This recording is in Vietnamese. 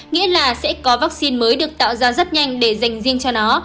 nghĩa là sẽ có vaccine mới được tạo ra rất nhanh để dành riêng cho nó